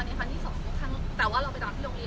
คนนี้รู้ดีที่สุดในแก่ใจอยู่แล้วคือเขาอ่ะเราขอแค่ลูกคืนอ่ะ